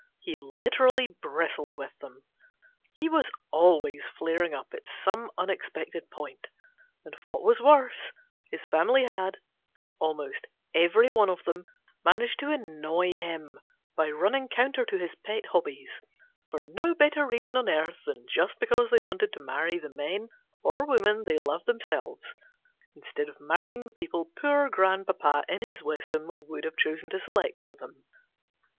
He literally bristled with them. He was always flaring up at some unexpected point. And what was worse, his family had, almost every one of them, managed to annoy him by running counter to his pet hobbies, for no better reason on earth than just because they wanted to 314 GENERAL PASSAVANT'S WILL. marry the men or women they loved them selves, instead of marrying the people poor GENERAL PASSAVANT. grandpapa in his wisdom would have chosen to select for them.